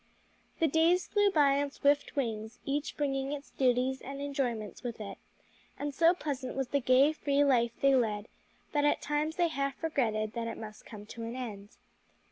The days flew by on swift wings, each bringing its duties and enjoyments with it, and so pleasant was the gay, free life they led that at times they half regretted that it must come to an end.